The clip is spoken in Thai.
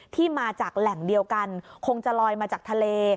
ที่มาจากแหล่งเดียวกันคงจะลอยมาจากทะเล